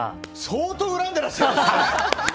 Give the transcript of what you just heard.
相当、恨んでらっしゃいますね。